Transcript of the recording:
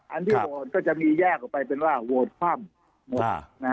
ที่โหวตก็จะมีแยกออกไปเป็นว่าโหวตคว่ำหมด